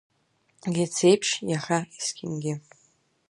Иацеиԥш, иахьа, есқьынгьы.